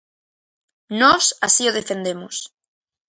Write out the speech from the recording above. Nós así o defendemos.